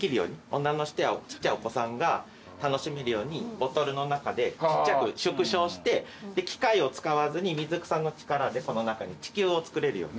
女の人やちっちゃいお子さんが楽しめるようにボトルの中でちっちゃく縮小して機械を使わずに水草の力でこの中に地球を作れるように。